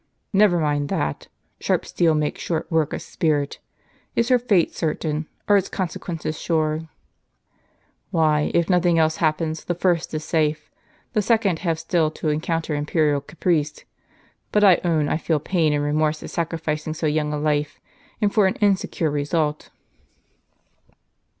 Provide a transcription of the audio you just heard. " Never mind that : sharp steel makes short work of spirit. Is her fate certain? and are its consequences sure?" dir w " Why, if nothing else happens, the first is safe ; the second have still to encounter imperial caprice. But I own I feel pain and remorse at sacrificing so young a life, and for an insecure result."